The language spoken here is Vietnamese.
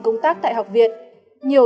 công tác tại học viện nhiều